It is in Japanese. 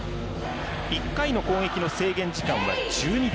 １回の攻撃の制限時間は１２秒。